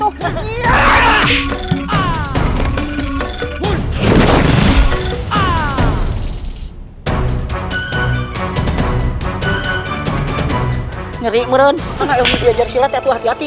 oh kemana kalian